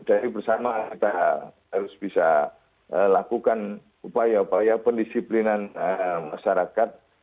jadi bersama kita harus bisa lakukan upaya upaya pendisiplinan masyarakat